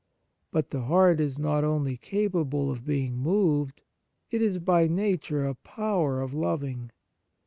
But the heart is not only capable of being moved : it is, by nature, a power of loving.